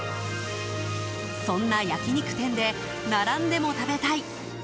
そんな焼き肉店で並んでも食べたい